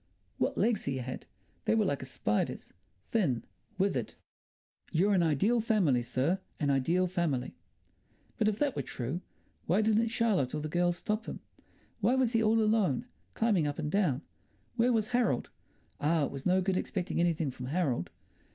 What legs he had! They were like a spider's—thin, withered. "You're an ideal family, sir, an ideal family." But if that were true, why didn't Charlotte or the girls stop him? Why was he all alone, climbing up and down? Where was Harold? Ah, it was no good expecting anything from Harold.